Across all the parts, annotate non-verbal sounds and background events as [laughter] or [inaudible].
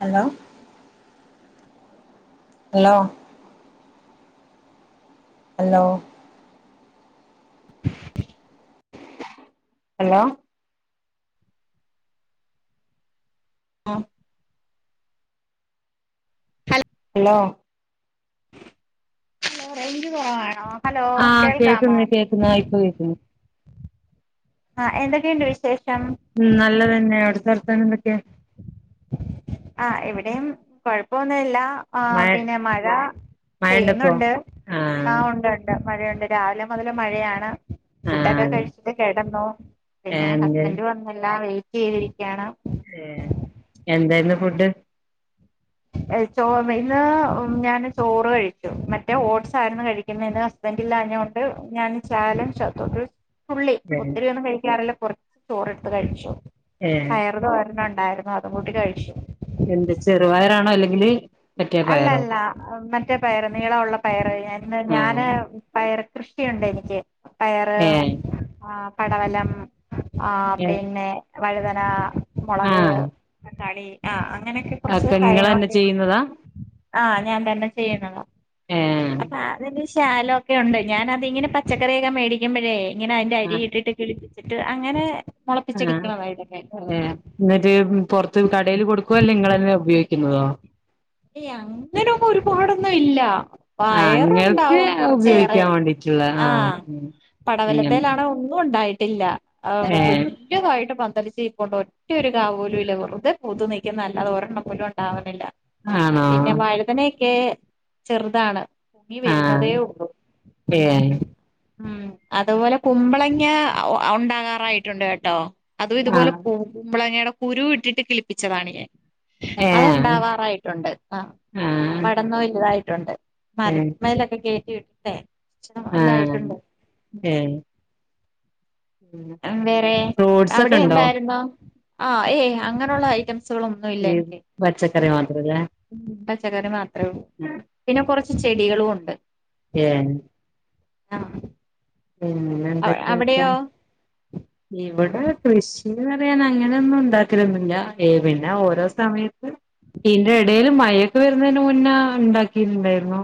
Hello hello hello hello ആഹ hello range കൊറവാണോ ആഹ കേക്കുന്നു കേൾക്കുന്നു ഇപ്പ കേക്കുന്നു. ആഹ എന്തൊക്കെയുണ്ട് വിശേഷം. ഉം നല്ലതന്നെ അവിടെത്തെർത്തൻ എന്തൊക്കെയാ ആ ഇവിടെയും കൊഴപ്പൊന്നല്ല. ആ പിന്നെ മഴ മഴണ്ടപ്പോ പെയ്യുന്നുണ്ട് ആ ആഹ് ഉണ്ട് ഉണ്ട്. മഴയുണ്ട് രാവിലെ മുതല് മഴയാണ്. ഫുഡൊക്കെ ആഹ് കഴിച്ചിട്ട് കിടന്നു പിന്നെ എന്ത് ഹസ്ബൻഡ് വന്നില്ല വെയിറ്റ് ചെയ്തിരിക്കയാണ്. എന്തായിന്ന് ഫുഡ് ഇ ചോറ് ഇന്ന് ഞാന് ചോറ് കഴിച്ചു മറ്റേ ഓട്സ് ആയിരുന്നു കഴിക്കുന്നതിന് [unintelligible] ല്ലാഞ്ഞോണ്ട് ഞാൻ ശാലം ശ ത് ഒര് തുള്ളി ഏഹ് ഒത്തിരി ഒന്നും കഴിക്കാറല്ലോ. കുറച്ച് ചോറെടുത്ത് കഴിച്ചു ഏഹ് പയറ് തോരനുണ്ടായിരുന്നു അതും കൂട്ടി കഴിച്ചു. എന്ത് ചെറുപയറാണോ അല്ലെങ്കില് മറ്റേ പയറോ അല്ലല്ല മറ്റേ പയർ നീളമുള്ള പയർ ന്ന് ആഹ് ഞാന് പയർ കൃഷിയുണ്ട് എനിക്ക് പയറ് ഏഹ് ആ പടവലം ആ ഏഹ് പിന്നെ വഴുതന, മുളക്, ആഹ് തക്കാളി അങ്ങനൊക്കെ കുറച്ച് ഒക്കെ ഇങ്ങളന്നെ കാര്യങ്ങളൊക്കെ ഉണ്ട്. ചെയ്യുന്നതാ ആ ഞാൻ തന്നെ ചെയ്യുന്നത ഏഹ് അപ്പ അ [unintelligible] ചാലം ഒക്കെ ഉണ്ട് ഞാന് അതി ഇങ്ങനെ പച്ചക്കറിയൊക്കെ മേടിക്കുമ്പോഴേ ഇങ്ങനെ അതിന്റെ അരി ഇട്ടിട്ട് കിളി ട്ട് അങ്ങനെ ആ മുളപ്പിച്ചെടുക്കണതാ ഇതൊക്കെ അതെയാ എന്നിട്ട് പുറത് ത്ത് കടയിൽ കൊടുക്കുവോ ല്ലെ നിളെങ്ങല്ലാ ഉപയോഗിക്കുന്നതോ ഏയ് അങ്ങനെ അങ്ങ് ഒരുപാടൊന്നും ഇല്ല. ആഹ് ഇങ്ങൾക്ക് പയറുണ്ടാവും കുറച്ചേറെ ഉപയോഗിക്കാൻ വേണ്ടിട്ടുള്ള ആ ആഹ് ഉം ഇങ്ങനെ പടവലത്തേൽ ആണെ ഒന്നും ഉണ്ടായിട്ടില്ല അ ഏഹ് വല്യതായിട്ട് പ ന്തലിച്ച് നിപ്പുണ്ട് ഒറ്റൊരു കാ പോലും ഇല്ല. വെറുതെ പൂത്തു നിക്കുന്ന അല്ലാതെ ഒരെണ്ണം പോലും ഉണ്ടാവണില്ല. ആണോ ക്കെ ചെറുതാണ് [unintelligible] ങ്ങി ആഹ് വരുന്നതേ ഉള്ളൂ. ഏഹ് ഉം അതുപോലെ കുമ്പളങ്ങ ഉ ഉണ്ടാകാറായിട്ടുണ്ട് കേട്ടോ. അതും ഇതുപോലെ ആഹ് കു കുമ്പളങ്ങയുടെ കുരു ഇട്ടിട്ട് കിളിപ്പിച്ചതാണ് ഞാൻ. ഏഹ് അത്ണ്ടാവാറായിട്ടുണ്ട് ആ ആഹ് പടന്ന് വലുതായിട്ടുണ്ട്. ഏഹ് മരത്തിൻ മേലൊക്കെ കേറ്റി വിട്ടിട്ടേ [unintelligible] ആഹ് അല്ലായിട്ടുണ്ട് ഏഹ് അം വേറെ ഫ്രൂട്ട്സ് ഒക്കെ അവിടെ ഇണ്ടോ? എന്തായിരുന്നു ഒ ഏയ് അങ്ങനെയുള്ള ഐറ്റംസ് സുകൾ ഒന്നുംല്ല ഈ എനിക്ക് [inaudible] പച്ചക്കറി മാത്രല്ലേ [unintelligible] മാത്രേ ഉള്ളു പിന്നെ കുറച്ച് ചെടികളും ഉണ്ട്. ഏന് ആ പിന്നെ എന്തൊക്കെയാപ്പൻ ഇവട് [unintelligible] കൃഷി പറയാൻ അങ്ങനെയൊന്നും ഉണ്ടാക്കരൊന്നില്ല ഏ പിന്നെ ഓരോ സമയത്ത് ഇന്റെ ഇടേൽ മഴൊക്കെ വരുന്നതിന് മുന്നേ ഉണ്ടാക്കിട്ടുണ്ടായിരുന്നു.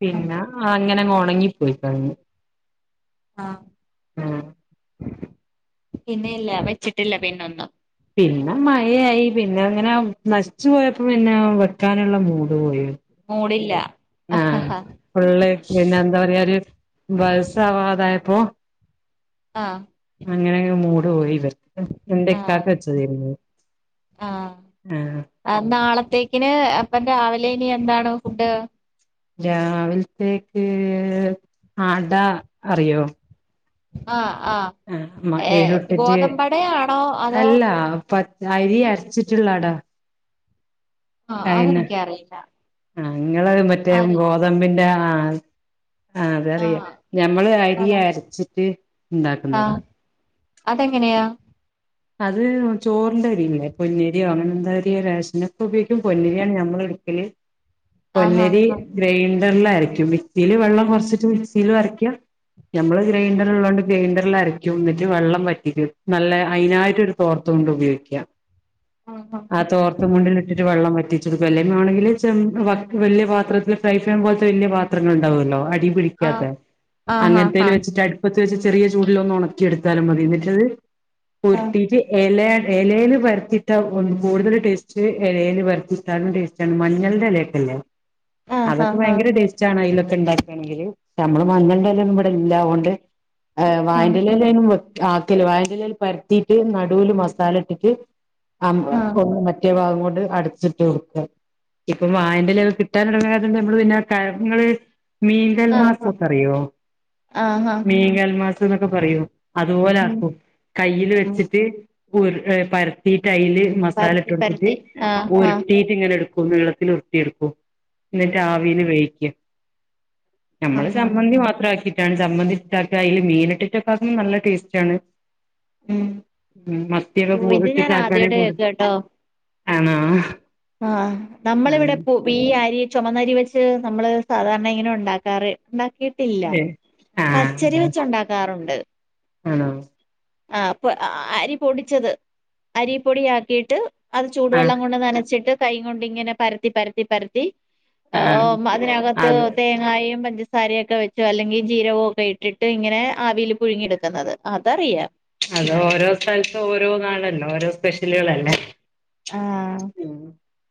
പിന്നെ അങ്ങനങ്ങ് ഉണങ്ങിപ്പോയി കഴിഞ്ഞു. ആ ആ പിന്നെ ഇല്ല വെച്ചിട്ടില്ല പിന്നൊന്നും. പിന്നെ മഴയായി പിന്നെ അങ്ങനെ നശിച്ചു പോയപ്പോ പിന്നെ വെക്കാനുള്ള മൂട് പോയി. മൂടില്ല ആഹ് പിള്ളേ പിന്നെ എന്താ പറയാ ഒരു ബസാവാതായപ്പോ ആ അങ്ങനെങ്ങ് മൂട് പോയി വെറുത്ത് എന്റെക്കാക്ക ആഹ് വെച്ച തീരുന്നു ആ അത്തേക്കിന് അപ്പം രാവിലെ ഇനി എന്താണ് ഫുഡ്. രാവിലത്തേക്ക് ആട അറിയോ ആഹ ആ ആഹ് മ ഏ ഏലൊട്ടിട്ട് ഗോതമ്പടയാണോ അതോ അല്ല പ അരി ഉ അരച്ചിട്ടുള്ളാടാ ആഹ അതെനിക്കറിയില്ല നിങ്ങള് മറ്റേ ആര് ഗോതമ്പിൻ്റെ ആ ആ അതറിയ ആഹ് ഞമ്മള് അരി അത അരച്ചിട്ട് ഇണ്ടാക്കുന്നതാ ആഹ് അതെങ്ങനെയാ അത് ചോറിന്റെ അരില്ലെ പൊന്നിരിയോ അങ്ങനെ എന്താ റേഷനൊക്കെ ഉപയോഗിക്കും പൊന്നിരിയാണ് നമ്മള് ആഹ് ആഹ് പൊന്നരി ഗ്ര വെള്ള ആയിരിക്കും മിക്സിൽ വെള്ളം കുറച്ചിട്ട് മിക്സിൽ അരയ്ക്കാം ഞമ്മള് ഗ്രൈൻഡർ ഉള്ളോണ്ട് ഗ്രൈൻഡറിൽ അരക്കി നിന്നിട്ട് വെള്ളം പറ്റി നല്ല അതിനായിട്ടരു തോർത്ത് കൊണ്ട് ഉപയോഗിക്കുക ആ തോർത്ത മുണ്ടിലിട്ടിട്ട് വെള്ളം വ ണെങ്ക വല പാത്തിൽ ഫ്രൈ ചെയ്യൻ പോലത്തെ വലിയ പാത്രങ്ങൾ ഉണ്ടാവല്ലോ ആഹ് ആഹ് ആഹ് [unintelligible] ആഹ് വെച്ച ചെറിയ ചൂടിലൊന്ന ഉണക്കി എടുത്താലും മതി എന്നിട്ടത് പൊരിട്ടിട്ട് ഇലൽ വരത്തിട്ട കൂടുതൽ ടേസ്റ്റ് ഇലൽ വരുത്തിട്ടാനും ടേസ്റ്റ്ണ് മഞ്ഞളുടെ ഇലയൊക്ക ല്ലേ ആഹ് ആഹ് ആഹ് ആഹ് അതൊക്കെ ആഹ് ഭയങ്കര ടേസ്റ്റ് ആണ അതില ണ്ടാക്കയാണെങ്ക നമ്മള് മഞ്ഞളുടെലും ഇവിടെ ഇല്ലൊണ്ട് വായന്റെല്ലും ആകൽ വായലൽ പരത്തിട്ട് നടുവൽ മസാല ഇട്ടിട്ട് ആ ആഹ് ഒന്ന് മറ്റേ ഭാഗം കൊണ്ട് അടുച്ചിട്ട് കൊടുക്ക ഇപ്പം വായന്റെ ലെവൽ കിട്ടൻ തുടങ്ങാതണ്ട് നമ്മള് പിന്നെ കങ്ങള് മീന്തൽ ആഹ് മാസൊക്കെ അറിയോ ആഹ് ആഹ് ആഹ് മീങ്കൽ മാസം എന്നൊക്കെ പറയും അതുപോലെ ഉം ആക്കും കയ്യിൽ ഉം വെച്ചിട്ട് പു പരത്തി സ്റ്റൈല് മസാല ഇട്ട പരത്തി കൊടുത്തിട്ട് പരത്തി ആഹ് ആഹ് ഒരുട്ടീ ട്ട് ങ്ങനെ എടു ക നീളത്തിൽ ഉരുട്ടിടുക്കൂ എന്നിട്ട് ആവിൽ വേയിക നമ്മള് ആഹ് ആഹ് സംമ്മന്തി മാത്ര ആക്കിട്ട ചമ്മന്തി ട്ട് അക്ക അതില് മീൻ ഇട്ടിട്ടക്കും നല്ല ടേസ്റ്റ് ആണ് ഉം ഉം ഓഹ് മത്തിയൊക്കെ ഇത് ഇട്ട് ഞാൻ ചാപ്പണ ആദ്യായിട്ട് കൂ ആണ ആ നമ്മളിവിടെ പു ഈ ആരിയ ചുമന്നരി വെച്ച് നമ്മള് സാധാരണ ഇങ്ങനെ ഉണ്ടാക്കാറ് ഉണ്ടാക്കിട്ടില്ല പച്ചരി വെച്ച ഉണ്ടാക്കാറുണ്ട് ആണ ആപ്പ അരി പൊടിച്ചത് അരി പൊടി ആക്കിട്ട് അത് ആഹ് ചൂടുവെള്ളം കൊണ്ട് നനച്ചിട്ട് കൈ കൊണ്ട് ഇങ്ങനെ പരത്തി പരത്തി പരത്തി ഒ ആഹ് അതിനകത്ത് അത് തേങ്ങായും പഞ്ച സാരയൊക്കെ വെച്ചോ അല്ലെങ്കിൽ ജീരകോ ഒക്കെ ഇട്ടിട്ട് ഇങ്ങനെ ആവിൽ പുഴുങ്ങിയെടുക്കുന്നത് അതറിയാം അത ഓരോ സ്ഥലത്ത ഓരോ നാളല്ലോ ഓരോ സ്പെഷ്യലുകളൾല്ലേ ആഹ് ഉം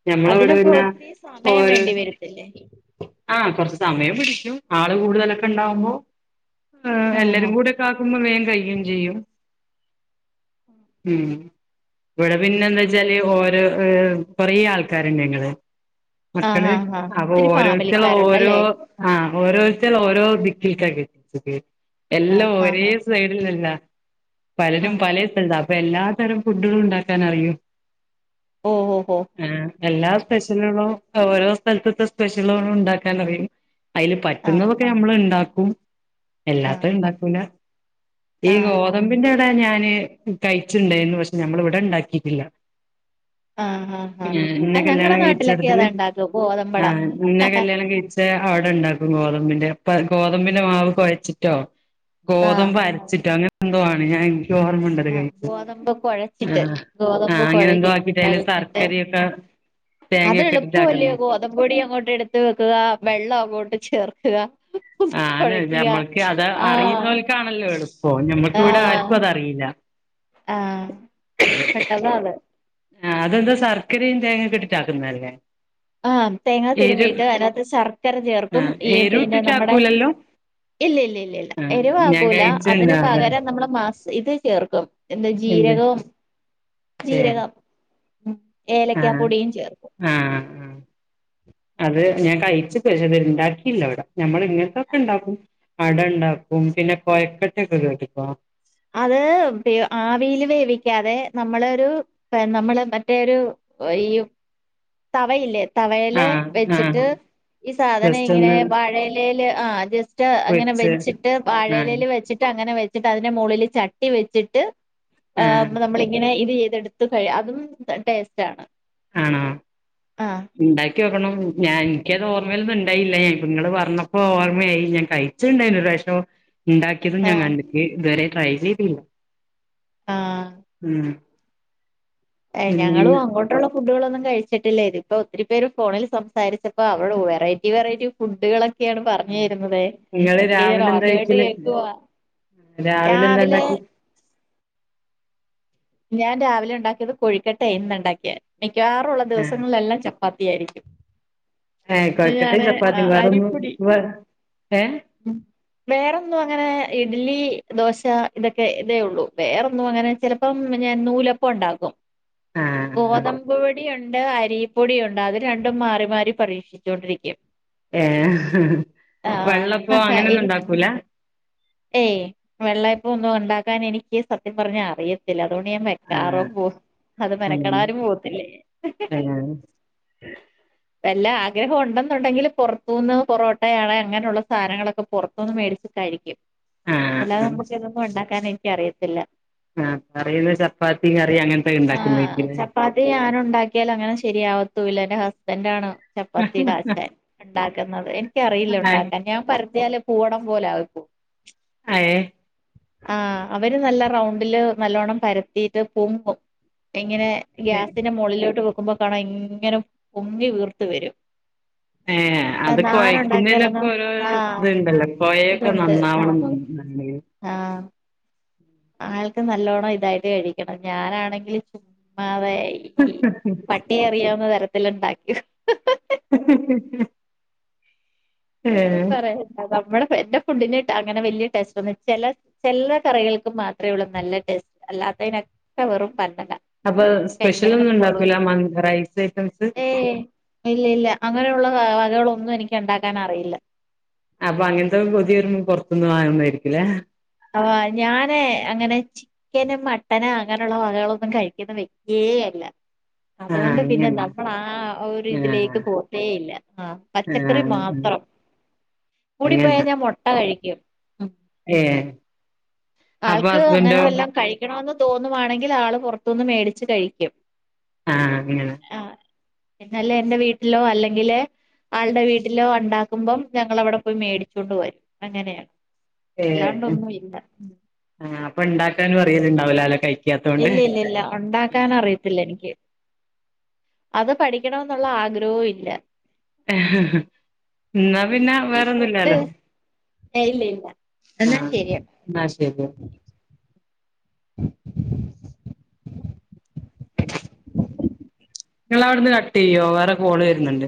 ഞമ്മളവിടെ അതിനപ്പോ പിന്നെ ഒത്തിരി സമയം ഓരോ വേണ്ടി വരത്തില്ലേ ആ കൊറച്ചു സമയം പിടിക്കു ആള് കൂടുതലൊക്കെ ഇണ്ടാവുമോ ആഹ് എല്ലരും കൂടൊക്കെ ആക്കുമ്പോ വേ കഴയും ചെയ്യും ഉം ഇവിടെ പിന്നെ എന്താ വച്ചാല് ഓരോ കൊറേ ആൾക്കാരുണ്ട് ങ്ങള് ആഹ് മക്കള് ആഹ് ആഹ് അപ്പൊ ഒത്തിരി ഓരോരുത്ത ഓരോ ഫാമിലിക്കാരുണ്ടല്ലേ ആ ഓരോരുത്ത ഓരോ [unintelligible] എല്ലാം ആഹ് ഒരേ ആഹ് സൈഡിലല്ല പലരും ആഹ് പല സ്ഥലത്ത അപ്പൊ എല്ലാ തരം ഫുഡുകളും ഉണ്ടാക്കാൻ അറിയും ആഹ് ഓഹ് ഓഹ് ഓഹ് ആ എല്ലാ അങ്ങനെ സ്പെഷ്യലും ഓരോ സ്ഥലത്ത സ്പെഷ്യൽ ലോൺ ഇണ്ടാക്കാൻറിയും അതിൽ ആഹ് പറ്റുന്നതൊക്കെ നമ്മൾ ഇണ്ടാക്കും ക്കും ആഹ് എല്ലാത്ത ഇണ്ടാക്കൂല ഈ ആഹ് ഗോതമ്പിന്റെ വി ഞാന് കഴിച്ചുണ്ടന്ന് പക്ഷെ ഞമ്മൾ ഇവിടെ ഇണ്ടാക്കിട്ടില്ല ആഹ് ആഹ് ആഹ് ഞാനിന്നെ ആഹ് ഞങ്ങടെ കല്യാണം നാട്ടിലൊക്കെ കഴിച്ചടത്തിൽ അതാ ഉണ്ടാക്കും ആ ഗോതമ്പട നിന്നെ കല്യാണം കഴിച്ച അവിടെ ണ്ടകും ഗോതമ്പിന്റെ പ്പ ഗോതമ്പിന്റെ മാവ് കുഴച്ചിട്ടോ ഗോതമ്പ് ആഹ് അരച്ചിട്ടോ നെ എന്തോ ആണ് എനിക്ക് ഓർമ്മ ഉണ്ടത് ആഹ് കയിച്ചത് ഗോതമ്പ് കൊഴച്ചിട്ട് ആ ഗോതമ്പ് അങ്ങനെ ഏന്ധോ കൊഴക്കും എ കളഞ്ഞിട്ട് ശർക്കര ഒക്കെ അത് എളുപ്പം വല്ലിയ ഗോതമ്പൊടി അങ്ങോട്ട് എടുത്ത് വെക്കുക വെള്ളം അങ്ങോട്ട് ചേ ഉം ഞ ഞമ്മൾക്ക് അത് അറിയുന്നവൽക്കാണല്ലോ എളുപ്പ നമ്മക് ഇവിടെ ആർക്കും അതറിയില്ല ആ പെട്ടെന്നാ ആ അതെന്താ ശർക്കരയും തേങ്ങൊക്കെ ഇട്ടിട്ടാക്കുന്ന അല്ലെ ആ തേങ്ങാ തിരുമ്മീയിട്ട് അല്ലാെ ശർക്കര ചേർക്കും ആഹ് ഈ എരു പിന്നെ നമ്മടെ ഇട്ടിട്ടാക്കൂലല്ലോ ഇല്ല ഇല്ല ഇല്ല ഇല്ല ആഹ് ഞാൻ എരിവാക്കൂല കഴിച്ചിണ്ട് അതിന് അത് പകരം നമ്മള മാ ഇത് ചേർക്കും എന്താ എന്ത് ജീരകം ഏഹ് ജീരകം ഉം ഏലക്കാ ആഹ് പൊടിയും ചേർക്കും ആഹ് ആഹ് അത് ഞാൻ കഴിച്ചകണ് ഇണ്ടാക്കിയില്ല ഇവിടെ നമ്മള ഇങ്ങനത്തൊക്കെ ഇണ്ടാക്കും അട ഇണ്ടാക്കും പിന്നെ കൊഴക്കട്ടൊക്കെ കേട്ടക്കോ അത് ആവില് വേവിക്കാതെ നമ്മളൊരു നമ്മള് മറ്റേരു ഈ തവയില്ലേ തവയിലെ ആഹ് ആഹ് വെച്ചിട്ട് സാധനം ജസ്റ്റ് ഇങ്ങനെ ഒന്ന് പാഴയിലൽ ആ ജസ്റ്റ് അങ്ങനെ പൊരിച്ച് വെച്ചിട്ട് പാഴയി ആഹ് അങ്ങനെ വച്ചിട്ട് അതിന് മുകളിൽ ചട്ടിവച്ചിട്ട് ആഹ് ഇതെടുത്തുകഴിഅതും ടേസ്റ്റ് ആണ് ആണോ ഉം ണം ഞാൻ എനിക്കത് ഓമ്മയിൽന്നും ഉണ്ടായില്ല ങ്ങങ്ങള് പറഞ്ഞപ്പോ ഓർമ്മയായി ഞാൻ കഴിച്ചുണ്ടായി [unintelligible] ഉണ്ടാക്കിയതും ആ ഞാൻ കണ്ടിക്ക് ഇതുവരെ ട്രൈ ചെയ്തില്ല ആ പിന്നെ ഞങ്ങളും അങ്ങോട്ടുള്ള ഫുഡുകളൊന്നും കഴിച്ചിട്ടില്ലേ ഇപ്പൊ കുട്ടികൾ ഒന്നും കഴിച്ചിട്ടില്ലെന്ന് ഇപ്പം ഒത്തിരി പേര് ഫോണിൽ സംസാരിച്ചപ്പോ അവടെ വെറൈറ്റി വെറൈറ്റി ഫുഡ്കള് പറഞ്ഞുതരുന്നത് ഇങ്ങള് ഒക്കെ ഞാൻ രാവിലെ എന്താ ആദ്യമായിട്ട് കഴിക്കല് കേക്കുവ രാവിലെ ന്താണ്ടാ ഞാൻ രാവിലെ ഉണ്ടാക്കിയത്കോഴിക്കെട്ടെ ആയിരുന്നു ഉണ്ടാക്കിയെ മിക്കവാറുംള്ള ആഹ് ദിവങ്ങളിലെല്ലാം ത്തിയായിരിക്കും ഏഹ് പിന്ന കൊഴക്കട്ടയും ഞാന് ചപ്പാത്തിയും വേറൊന്നും അരിപ്പൊടി വേ ഏഹ് വേറെന്നും അങ്ങനെ ഇഡ്ലി ദോശ ഇതൊക്കെ ഇതേ ഉള്ളു വേറൊന്നും അങ്ങനെ ഇപ്പം പിന്ന നൂലപ്പ ഉണ്ടകും ആഹ് ആഹ് ഗോതമ്പ്പൊടി ണ്ട് അരിപ്പൊടിയുണ്ട് അത് രണ്ടും മാറി മാറി പരീക്ഷിച്ചൊണ്ടിരിക്കും ഹ ഹ വെള്ളപ്പ ആഹ് അങ്ങനെയൊന്നും എനി ഉണ്ടാക്കൂല ഏയ് വെള്ളയപ്പ ഒന്നും ഉണ്ടാക്കാൻ എനിക്ക് സത്യം പറഞ്ഞ അറിയത്തില്ല അതൊണ്ട് ആഹ് [unintelligible] ഉം മെനക്കടാരും പൊന്നില്ലേ ഏഹ് ഉ വല്ലാ ആഗ്രഹം ഉണ്ടെന്നുണ്ടെങ്കിൽ വല്ല വല്ല ആഗ്രഹഉം ഉണ്ടെനിന്നുണ്ടെങ്കി പുറത്തുനിന്ന് പൊറോട്ടയാണ് അങ്ങനെയുള്ള സാധനങ്ങളൊക്കെ പുറത്തുന്ന് മേടിച്ച് ശരിക്കും ആഹ് അല്ലാതെ ആഹ് നമുക്ക് ഇതൊന്നും ഉണ്ടാക്കാൻ എനിക്കറിയത്തില്ല ആഹ് പറയുന്ന ചപ്പാത്തി കറി അങ്ങനത്തെ ആഹ് ഉണ്ടാക്കുന്നായിരിക്കുല്ലേ ചപ്പാത്തി ഞാനുണ്ടാക്കിയാല് അങ്ങനെ ശരിയാ ലാ എന്റെ ഹസ്ബൻറ് ആണ് ചപ്പാത്തിഇടാൻച്ചൻ ഉണ്ടാക്കുന്നത് എനിക്കറിയില്ല ഉണ്ടാക്കാൻ ഞാൻ പരത്തിയാല് പൂവട പോലെ ആക്കു ഏ ആ അവര് നല്ല റൗണ്ടില് നല്ലോണ്ണം പരത്തിട്ട് പൊങ്ങും എങ്ങനെ ഗ്യാസിന്റെ മുകളിലോട്ട് വെക്കുമ്പോ കാണൻ എങ്ങനും പൊങ്ങി വീർത്ത് വരും ഏ അത് നാന ഉണ്ടാക്കിയാലെന്നോ കോഴക്കുന്നേനൊക്കെ ഓരോ ആഹ് ഇത്ണ്ടല്ലോ കോഴൊക്കെ നന്നാവണം ആ ആൾക്ക് നല്ലോണ്ണം ഇതായിട്ട് കഴിക്കണം ഞാനാണെങ്കില് ചുമ്മാ അതെ ഈ പട്ടിയെ എറിയാവുന്ന തരത്തിലുണ്ടാക്കും ഹി ഹി ഹി ഹി ഹി ഒന്നും പറയാനില്ല നമ്മടെ എന്റെ ഫുഡിന് ട അങ്ങനെ വല്യ ടേസ്റ്റ് ഒന്നുല്ല ചെല ചെല കറികൾക്ക്‌ മാത്രേ ഉള്ളൂ നല്ല ടേസ്റ്റ് അല്ല അതനെക്കെ വറും പ അപ്പൊ സ്പെഷ്യലൊന്നും ഉണ്ടാക്കൂല മന്തി റൈസ് ഐറ്റംസ് ഏയ്‌ ഇല്ലില്ല അങ്ങനൊള്ള വകകളൊന്നും എനിക്ക് ഒണ്ടാക്കാനറിയില്ല അപ്പൊ അങ്ങനത്തെ കൊതിവരുമ്പോ പുറത്തൂന്ന് വാങ്ങുന്നതായിരുക്കുല്ലേ ആ ഞാന് അങ്ങനെ ചിക്കന് മട്ടന് അങ്ങനെയുള്ള വകകളൊന്നും കഴിക്കുന്ന വ്യക്തിയേ യേ അല്ല ആഹ് അതുകൊണ്ട് പിന്നെ അങ്ങനെ നമ്മൾ ആ ഒരു ആഹ് ഇതിലേക്ക് പോത്തേയില്ല ആ പച്ചക്കറി ആഹ് മാത്രം കൂടിപ്പോയ ഞാൻ മൊട്ട കഴിക്കും ഏ ആൾക്ക് അങ്ങനെ വല്ലോം കഴിക്കണമെന്ന് തോന്നുവാണെങ്കിൽ ആള് പുറത്തുന്ന് മേടിച്ച് കഴിക്കും ആഹ് അങ്ങെനാണ് ഇന്നല്ലെ എന്റെ വീട്ടിലോ അല്ലെങ്കില് ആൾടെ വീട്ടിലോ ഒണ്ടാക്കുമ്പം ഞങ്ങൾ അവിടെ പോയി മേടിച്ചൊണ്ട് വരും. അങ്ങനെയാ ഏഹ് ല്ലാണ്ടൊന്നും ഇല്ല ആഹ് അപ്പൊ ണ്ടാക്കാനു അറിയല്ണ്ടാവ് ലാലേ കഴി ഇല്ലില്ലില്ലാ ഒണ്ടാക്കാൻ അറിയത്തില്ല എനിക്ക് അത് പഠിക്കണോന്നുള്ള ആഗ്രഹവും ഇല്ല ന്നാ പിന്നെ ഈ ഫുഡ് വേറൊന്നുല്ലാലോ ഇല്ല ഇല്ല എന്നാ ആഹ് ശരി ന്ന ശരി ങ്ങളവിടുന്ന് കട്ട് യ്യോ വേറെ കോള് വരുന്നുണ്ട്.